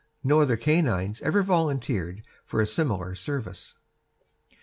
No other canines ever volunteered for a similar service.